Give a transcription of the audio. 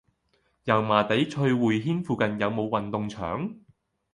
油麻地翠匯軒附近有無運動場？